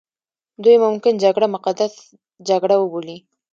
دوی ممکن جګړه مقدسه جګړه وبولي.